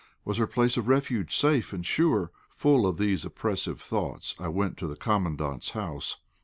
Was her place of refuge safe and sure? Full of these oppressive thoughts, I went to the Commandant's house.